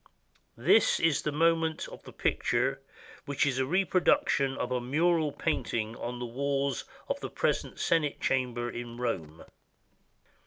This is the moment of the picture, which is a reproduction of a mural painting on the walls of the present Senate Chamber at Rome.